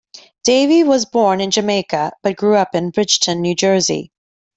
Davy was born in Jamaica but grew up in Bridgeton, New Jersey.